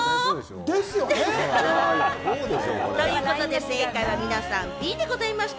ですよね。ということで、正解は皆さん、Ｂでございました！